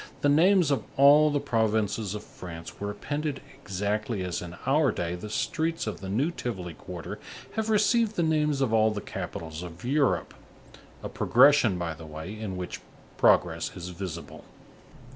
the names of all the provinces of France were appended exactly as in our day, the streets of the new Tivoli quarter have received the names of all the capitals of Europe; a progression, by the way, in which progress is visible.